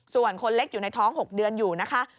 ส่วนคนเล็กอยู่ในท้อง๖เดือนอยู่นะคะ